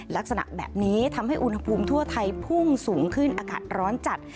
ลักษณะแบบนี้ทำให้อุณหภูมิทั่วไทยพุ่งสูงขึ้นอากาศร้อนจัด